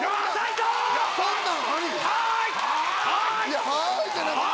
いや「はい！」じゃなくて。